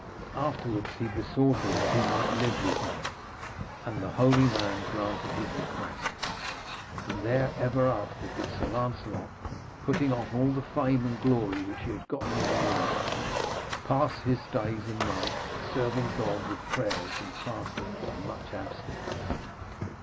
Afterwards he besought him that he might live with him, and the holy man granted his request, and there ever after did Sir Lancelot, putting off all the fame and glory which he had gotten in the world, pass all his days and nights, serving God with prayers and fastings and much abstinence.